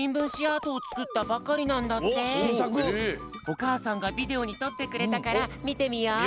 おかあさんがビデオにとってくれたからみてみよう！